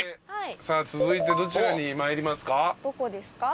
さあ続いてどちらに参りますか？